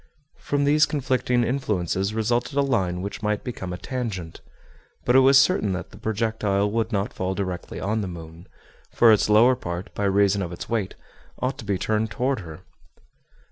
From these conflicting influences resulted a line which might become a tangent. But it was certain that the projectile would not fall directly on the moon; for its lower part, by reason of its weight, ought to be turned toward her.